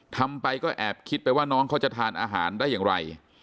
ทำไปก็แอบคิดไปว่าน้องเขาจะทานอาหารได้อย่างไร